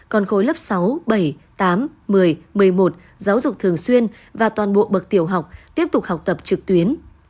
còn khối lớp sáu bảy tám một mươi một mươi một giáo dục thường xuyên và toàn bộ bậc tiểu học tiếp tục học tập trực tuyến